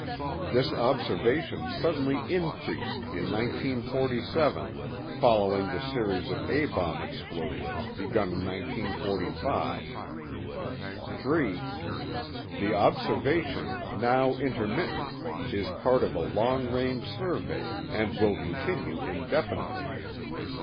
This observation suddenly increased in 1947, following, the series of A bomb explosions begun in 1945. 3. The observation, now intermittent, is part of a long range survey and will continue indefinitely.